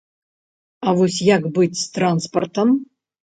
А вось як быць з транспартам?